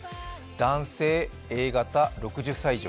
男性、Ａ型、６０歳以上。